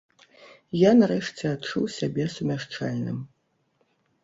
Я, нарэшце, адчуў сябе сумяшчальным.